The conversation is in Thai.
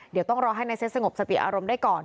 เดี๋ยวต้องรอให้นายเซ็ตสงบสติอารมณ์ได้ก่อน